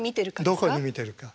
どこで見てるか。